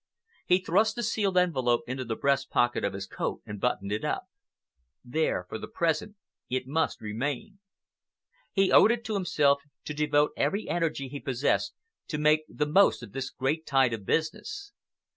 He thrust the sealed envelope into the breast pocket of his coat and buttoned it up. There, for the present, it must remain. He owed it to himself to devote every energy he possessed to make the most of this great tide of business.